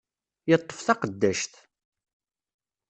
Yeṭṭef taqeddact.